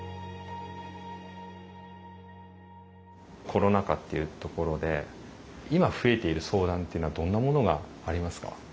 コロナ禍っていうところで今増えている相談っていうのはどんなものがありますか？